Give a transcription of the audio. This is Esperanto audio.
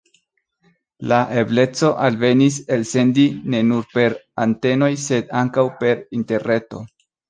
La ebleco alvenis elsendi ne nur per antenoj, sed ankaŭ per Interreto.